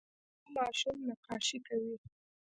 دا ماشوم نقاشي کوي.